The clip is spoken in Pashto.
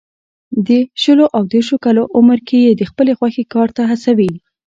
د شلو او دېرشو کالو عمر کې یې د خپلې خوښې کار ته هڅوي.